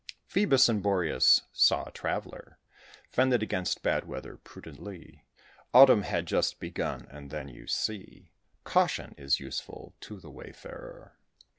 Phœbus and Boreas saw a traveller, 'Fended against bad weather prudently. Autumn had just begun, and then, you see, Caution is useful to the wayfarer.